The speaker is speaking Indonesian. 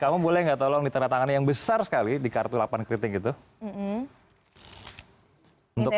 kamu boleh nggak tolong di tena tangan yang besar sekali di kartu delapan kritik itu untuk